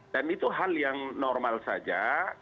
dan itu hal yang normal saja